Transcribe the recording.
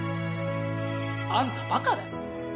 あんた馬鹿だよ。